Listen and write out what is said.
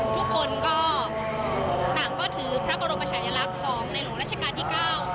ทุกคนก็ต่างก็ถือพระบรมชายลักษณ์ของในหลวงราชการที่เก้า